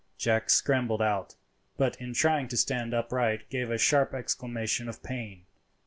Jack scrambled out, but in trying to stand upright gave a sharp exclamation of pain.